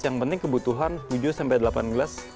yang penting kebutuhan tujuh sampai delapan gelas